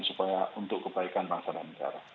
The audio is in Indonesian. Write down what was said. supaya untuk kebaikan bangsa dan negara